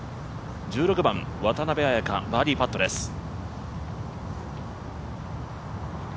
１６番、渡邉彩香バーディーパットです。